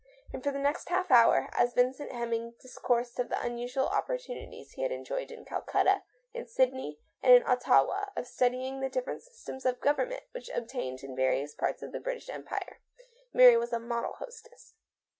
And for the next half hour, as Vincent Hemming dis coursed of the unusual opportunities he had enjoyed in Calcutta, in Sydney, and in Ottawa of studying the different systems of govern ment which obtained in various parts of the British Empire, Mary was a model hostess.